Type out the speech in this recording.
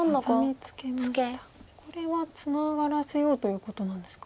これはツナがらせようということなんですか？